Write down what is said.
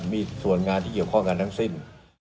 มีส่วนงานที่เกี่ยวข้องกันทั้งสิ้น